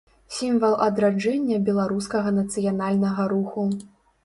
Сімвал адраджэння беларускага нацыянальнага руху.